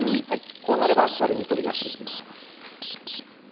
こうなればざるに取り出していきます